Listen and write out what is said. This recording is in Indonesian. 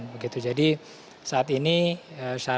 jadi saat ini syarat administratif